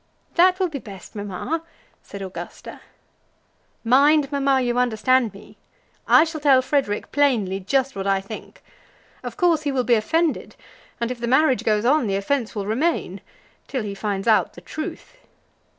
"That will be best, mamma," said Augusta. "Mind, mamma; you understand me. I shall tell Frederic plainly just what I think. Of course he will be offended, and if the marriage goes on, the offence will remain, till he finds out the truth."